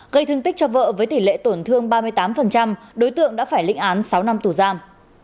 gây thương tích cho vợ với tỷ lệ tổn thương ba mươi tám đối tượng đã phải lịnh án sáu năm tù giam